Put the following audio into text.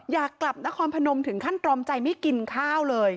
อยากกลับนครพนมถึงขั้นตรอมใจไม่กินข้าวเลย